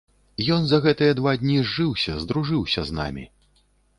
Ён за гэтыя два дні зжыўся, здружыўся з намі.